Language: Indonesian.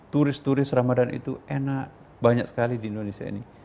turis turis ramadhan itu enak banyak sekali di indonesia ini